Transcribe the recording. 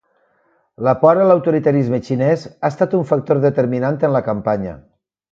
La por a l’autoritarisme xinés ha estat un factor determinant en la campanya.